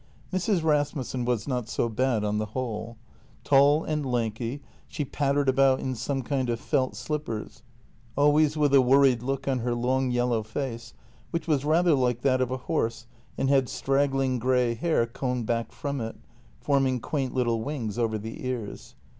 Mrs. Rasmussen was not so bad, on the whole. Tall and lanky, she pattered about in some kind of felt slippers, always with a worried look on her long yellow face, which was rather like that of a horse and had straggling grey hair combed back from it, forming quaint little wings over the ears.